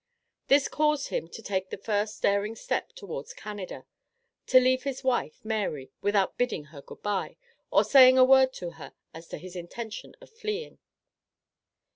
This caused him to take the first daring step towards Canada, to leave his wife, Mary, without bidding her good bye, or saying a word to her as to his intention of fleeing.